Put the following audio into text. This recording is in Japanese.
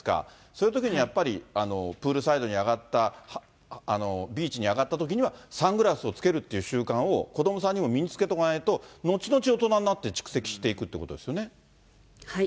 そういうときにやっぱり、プールサイドに上がった、ビーチに上がったときには、サングラスをつけるっていう習慣を子どもさんにも身につけとかないと、のちのち大人になって蓄積していくということですよね。